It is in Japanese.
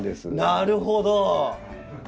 なるほど！